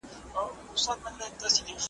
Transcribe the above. ژبې، او فکري بیدارۍ وسیله وه